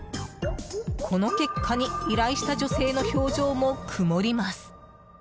この結果に依頼した女性の表情も曇ります。